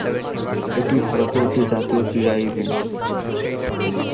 এটি ভারতে একটি জাতীয় ক্রীড়া ইভেন্ট।